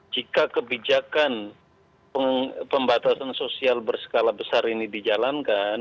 jika kebijakan pembatasan sosial berskala besar ini dijalankan